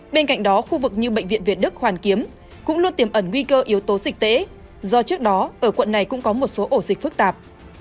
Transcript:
bên cạnh đó khu vực như bệnh viện việt đức hoàn kiếm cũng luôn tiềm ẩn nguy cơ yếu tố dịch tễ do trước đó ở quận này cũng có một số ổ dịch phức tạp